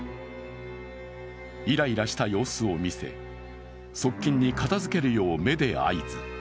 イライラした様子を見せ、側近に片づけるよう目で合図。